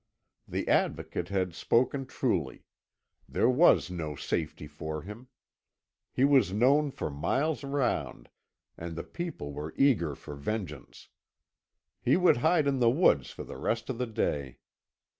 The Advocate had spoken truly. There was no safety for him. He was known for miles round, and the people were eager for vengeance. He would hide in the woods for the rest of the day.